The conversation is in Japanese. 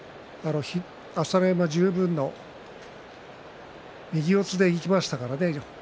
朝乃山十分の右四つでいきましたからね。